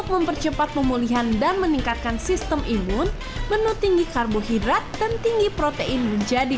mempercepat pemulihan dan meningkatkan sistem imun menu tinggi karbohidrat dan tinggi protein menjadi